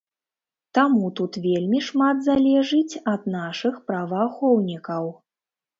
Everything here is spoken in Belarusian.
Таму тут вельмі шмат залежыць ад нашых праваахоўнікаў.